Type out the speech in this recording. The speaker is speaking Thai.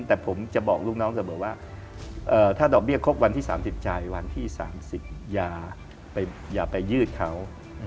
แต่ผมจะบอกลูกน้องเสมอว่าถ้าดอกเบี้ยครบวันที่๓๐จ่ายวันที่๓๐อย่าไปยืดเขา